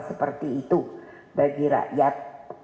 seperti itu bagi rakyat